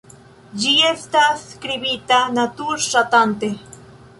Ĝi estas skribita natur-ŝatante.